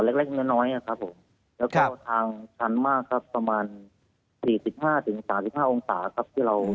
แล้วก็ทางชั้นมากครับประมาณ๔๕๓๕องศาที่เราเดินสุดท้ายครับ